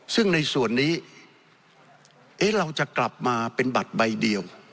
ซึ่งในส่วนนี้เราจะกลับมาเป็นบัตรใบเดียว